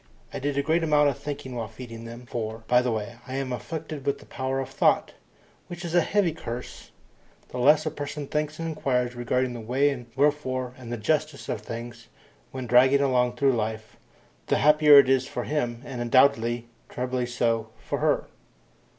I did a great amount of thinking while feeding them for, by the way, I am afflicted with the power of thought, which is a heavy curse. The less a person thinks and inquires regarding the why and the wherefore and the justice of things, when dragging along through life, the happier it is for him, and doubly, trebly so, for her.